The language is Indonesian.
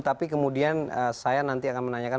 tapi kemudian saya nanti akan menanyakan